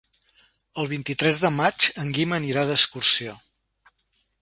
El vint-i-tres de maig en Guim anirà d'excursió.